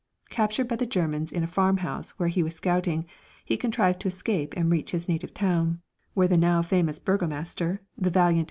Captured by the Germans in a farmhouse where he was scouting, he contrived to escape and reach his native town, where the now famous burgomaster, the valiant M.